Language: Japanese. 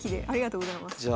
ありがとうございます。